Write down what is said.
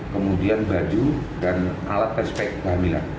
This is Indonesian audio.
kemudian baju dan alat tes pc kehamilan